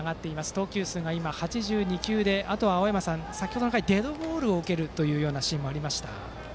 投球数が８２球であとは青山さん、先程の回デッドボールを受けるシーンもありました。